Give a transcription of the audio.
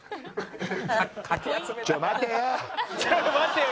ちょ待てよ！